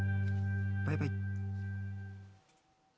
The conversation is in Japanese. バイバイ。